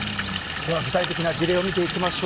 具体的な事例を見ていきましょう。